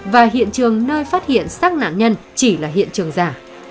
và hiện trường nơi phát hiện xác nạn nhân chỉ là hiện trường giả